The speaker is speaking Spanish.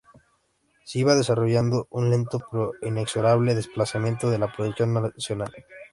Se iba desarrollando un lento pero inexorable desplazamiento de la producción nacional.